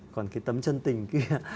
còn cái tấm chân tình kia